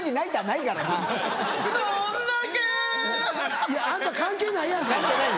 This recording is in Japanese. いやあんた関係ないやんか今。